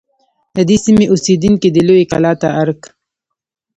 د دې سیمې اوسیدونکي دی لویې کلا ته ارگ